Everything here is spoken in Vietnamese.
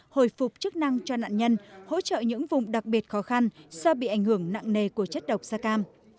hồi phục chức năng cho nạn nhân hỗ trợ những vùng đặc biệt khó khăn do bị ảnh hưởng nặng nề của chất độc da cam